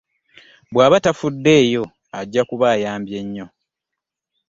Bw'aba tafuddeeyo ajja kuba ayambye nnyo.